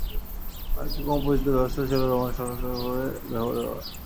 আরেকটি কম পরিচিত ব্যবস্থা ছিলো রোমান সম্রাটদের শাসনকালের বছর ব্যবহার।